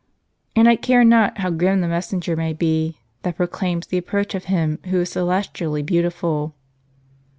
And I care not how grim the messenger may be, that proclaims the approach of Him who is celestially beautiful."